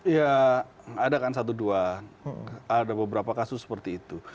ya ada kan satu dua ada beberapa kasus seperti itu